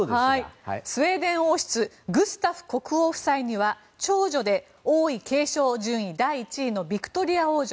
スウェーデン王室のグスタフ国王夫妻には長女で王位継承順位第１位のビクトリア王女